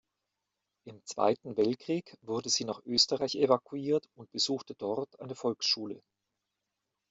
Im Zweiten Weltkrieg wurde sie nach Österreich evakuiert und besuchte dort eine Volksschule.